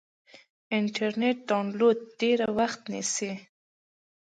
انټرنیټ ډاونلوډ ډېر وخت نیسي.